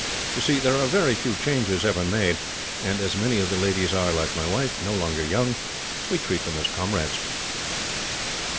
You see, there are very few changes ever made, and as many of the ladies are, like my wife, no longer young, we treat them as comrades."